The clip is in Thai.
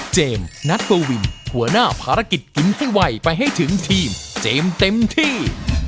นัทกวินหัวหน้าภารกิจกินให้ไวไปให้ถึงทีมเจมส์เต็มที่